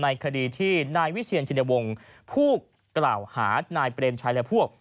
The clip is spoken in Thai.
คดีที่นายวิเชียนชินวงศ์ผู้กล่าวหานายเปรมชัยและพวก